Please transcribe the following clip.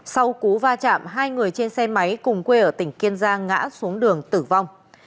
sau cú va chạm hai người trên xe máy cùng quê ở tỉnh kiên giang ngã xuống đường tử vong